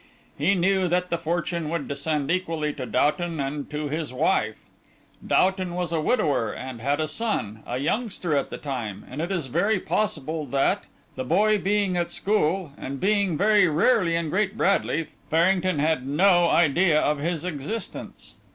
He knew that the fortune would descend equally to Doughton and to his wife. Doughton was a widower and had a son, a youngster at the time, and it is very possible that, the boy being at school, and being very rarely in Great Bradley, Farrington had no idea of his existence.